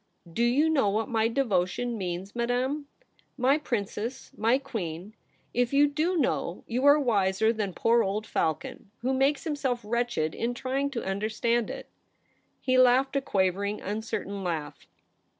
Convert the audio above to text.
' Do you know what my devotion means, Madame ? My Princess, my Queen, if you do I70 THE REBEL ROSE. know, you are wiser than poor old Falcon, who makes himself wretched in trying to understand it/ He laughed a quavering, uncertain laugh.